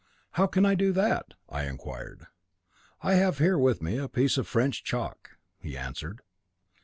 'How can I do that?' I inquired. 'I have here with me a piece of French chalk,' he answered.